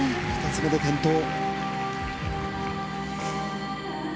２つ目で転倒。